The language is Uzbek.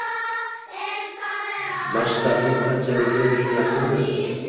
Masshtabning qanchaligini tushunyapsizmi?